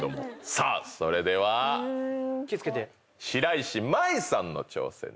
さあそれでは白石麻衣さんの挑戦です。